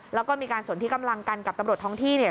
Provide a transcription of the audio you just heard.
แล้วก็มีการสนที่กำลังกันกับตำรวจท้องที่เนี่ย